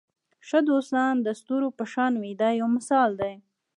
ښه دوستان د ستورو په شان وي دا یو مثال دی.